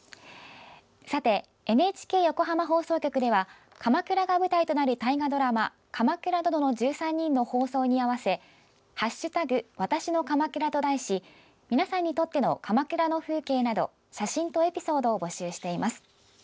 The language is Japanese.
さて、ＮＨＫ横浜放送局では鎌倉が舞台となる大河ドラマ「鎌倉殿の１３人」の放送開始に合わせ「＃わたしの鎌倉」と題し皆さんにとっての鎌倉の風景など写真とエピソードを募集しています。